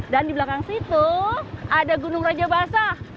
dan di belakang situ ada gunung raja basah